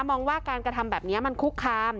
มองว่าการกระทำแบบนี้มันคุกคาม